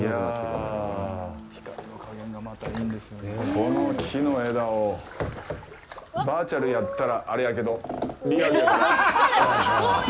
この木の枝を、バーチャルやったらあれやけどリアルやからよいしょ。